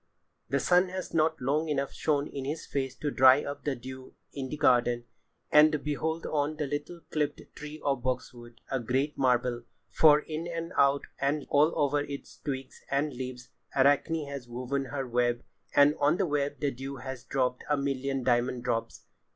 [Pg 89] The sun has not long enough shown his face to dry up the dew in the garden, and behold on the little clipped tree of boxwood, a great marvel! For in and out, and all over its twigs and leaves, Arachne has woven her web, and on the web the dew has dropped a million diamond drops.